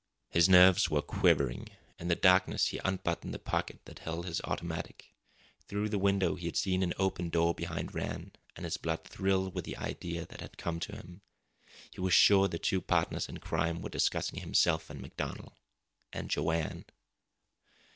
His nerves were quivering; in the darkness he unbuttoned the pocket that held his automatic. Through the window he had seen an open door behind Rann, and his blood thrilled with the idea that had come to him. He was sure the two partners in crime were discussing himself and MacDonald and Joanne.